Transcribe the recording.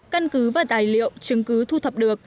căn cứ và tài liệu chứng cứ thu thập được